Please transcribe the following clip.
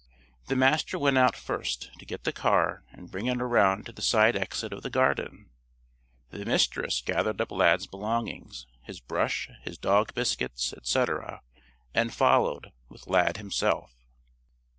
The Master went out first, to get the car and bring it around to the side exit of the Garden. The Mistress gathered up Lad's belongings his brush, his dog biscuits, etc., and followed, with Lad himself.